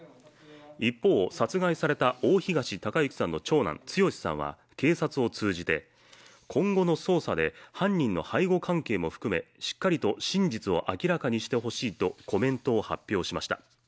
一方、殺害された大東隆行さんの長男・剛志さんは警察を通じて、今後の捜査で犯人の背後関係も含めしっかりと真実を明らかにしてほしいとコメントを発表しました。